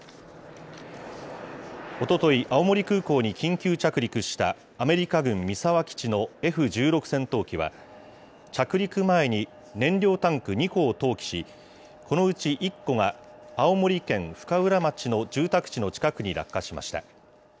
おととい、青森空港に緊急着陸したアメリカ軍三沢基地のＦ１６戦闘機は、着陸前に燃料タンク２個を投棄し、このうち１個が、青森県深浦町の住宅地の近くに落下しました。